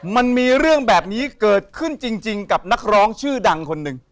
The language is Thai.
มันมีเรื่องแบบนี้เกิดขึ้นจริงกับนักร้องชื่อดังคนหนึ่ง